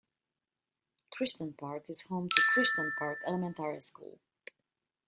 Crichton Park is home to Crichton Park Elementary school.